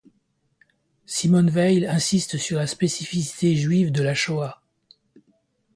Simone Veil insiste sur la spécificité juive de la Shoah.